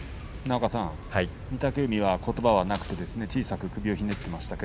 御嶽海は、ことばはなく小さく首をひねっていました。